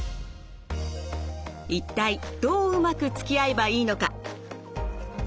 一体どううまくつきあえばいいのか。